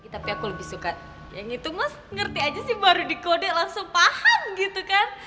tapi aku lebih suka yang itu mas ngerti aja sih baru dikode langsung paham gitu kan